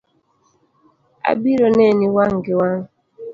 Abiro neni wang’ gi wang’